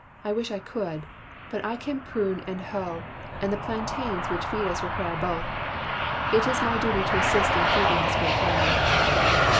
"I wish I could ; but I can prune and hoe, and the plantains which feed us require both. It is my duty to assist in feeding this great family."